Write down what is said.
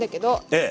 ええ。